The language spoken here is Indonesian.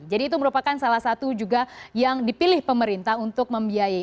jadi itu merupakan salah satu juga yang dipilih pemerintah untuk membiayai